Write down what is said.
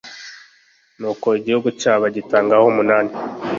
nuko igihugu cyabo agitangaho umunani